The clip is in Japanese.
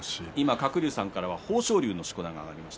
鶴竜さんからは豊昇龍のしこ名が挙がりました。